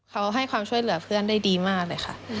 เขาให้ความช่วยเหลือเพื่อนได้ดีมากเลยค่ะ